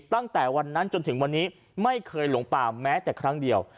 ตั้งแต่วันนั้นจนถึงวันนี้ไม่เคยหลงป่าแม้แต่ครั้งเดียว